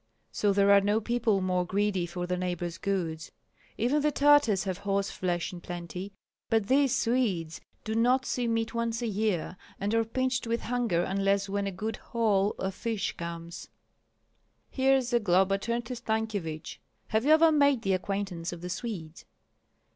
so there are no people more greedy for their neighbors' goods. Even the Tartars have horse flesh in plenty, but these Swedes do not see meat once a year, and are pinched with hunger unless when a good haul of fish comes." Here Zagloba turned to Stankyevich: "Have you ever made the acquaintance of the Swedes?"